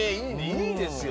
いいですよね。